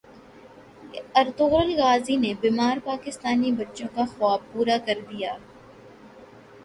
Ertugrul Ghazi نے بیمار پاکستانی بچوں کا خواب پورا کردیا